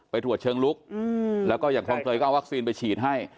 ตรวจเชิงลุกแล้วก็อย่างคลองเตยก็เอาวัคซีนไปฉีดให้